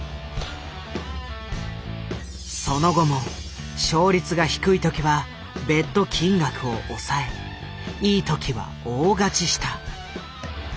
その後も勝率が低い時はベット金額を抑えいい時は大勝ちした。